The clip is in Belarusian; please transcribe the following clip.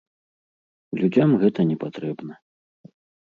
Людзям гэта не патрэбна.